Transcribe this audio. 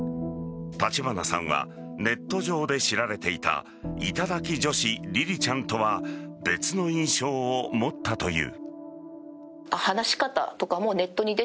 立花さんはネット上で知られていた頂き女子りりちゃんとは別の印象を持ったという。